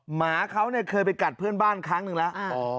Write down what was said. หมาเขาเนี่ยเคยไปกัดเพื่อนบ้านครั้งหนึ่งแล้ว